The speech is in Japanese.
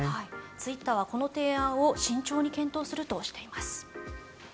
ツイッターはこの提案を慎重に検討するとしています。